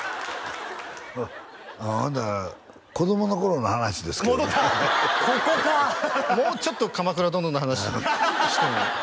ほんなら子供の頃の話ですけど戻ったここかもうちょっと「鎌倉殿」の話しても？